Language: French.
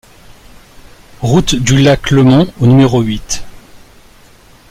Route du Lac Le Mont au numéro huit